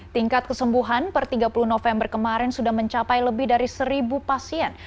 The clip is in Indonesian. tingkat kesembuhan per tiga puluh november kemarin sudah mencapai lebih dari seribu pasien